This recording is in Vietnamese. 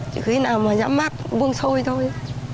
chỉ khi nào mà dám mắt buông sôi thôi